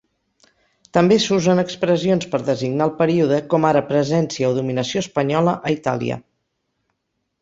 També s'usen expressions per designar el període com ara presència o dominació espanyola a Itàlia.